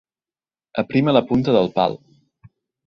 Aprima la punta del pal.